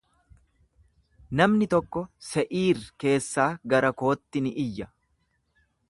Namni tokko Se'iir keessaa gara kootti ni iyya.